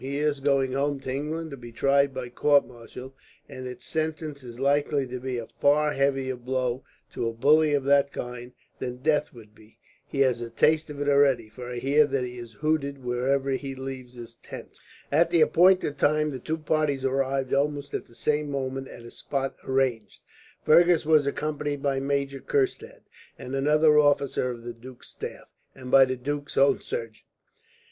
He is going home to England to be tried by court martial, and its sentence is likely to be a far heavier blow, to a bully of that kind, than death would be. He has a taste of it already, for I hear that he is hooted whenever he leaves his tent." At the appointed time the two parties arrived, almost at the same moment, at a spot arranged. Fergus was accompanied by Major Kurstad and another officer of the duke's staff, and by the duke's own surgeon.